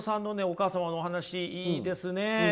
お母様のお話いいですね！